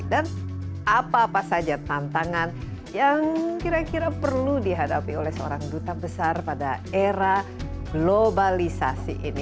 dan apa apa saja tantangan yang kira kira perlu dihadapi oleh seorang duta besar pada era globalisasi ini